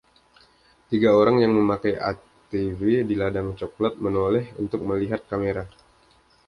Tiga orang yang memakai ATV di ladang cokelat menoleh untuk melihat kamera.